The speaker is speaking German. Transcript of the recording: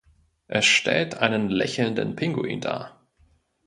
Es stellt einen lächelnden Pinguin dar.